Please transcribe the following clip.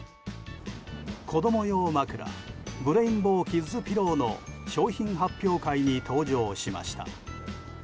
子供用枕ブレインボーキッズピローの商品発表会に登場しました。